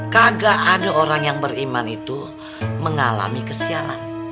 kagak ada orang yang beriman itu mengalami kesialan